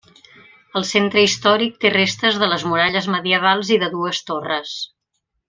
El centre històric té restes de les muralles medievals i de dues torres.